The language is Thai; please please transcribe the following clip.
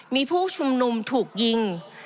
มีผู้ชุมนุมถูกยิง